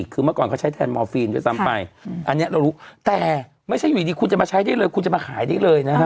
คือเมื่อก่อนเขาใช้แทนมอร์ฟีนด้วยซ้ำไปอันนี้เรารู้แต่ไม่ใช่อยู่ดีคุณจะมาใช้ได้เลยคุณจะมาขายได้เลยนะฮะ